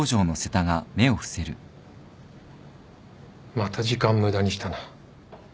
また時間無駄にしたな。